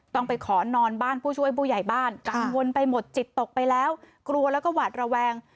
ต้องไปขอนอนบ้านผู้ช่วยผู้ใหญ่บ้านกังวลไปหมดจิตตกไปแล้วกลัวแล้วก็หวาดระแวง